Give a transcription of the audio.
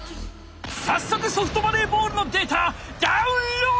さっそくソフトバレーボールのデータダウンロード！